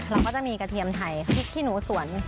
เราก็จะมีกระเทียมไทยพริกขี้หนูสวน